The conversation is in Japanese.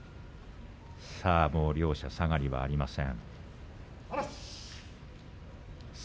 両者もう下がりはありません。